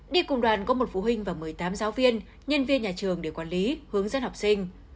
đi cùng đoàn có một phụ huynh và một mươi tám giáo viên nhân viên nhà trường để quản lý hướng dẫn học sinh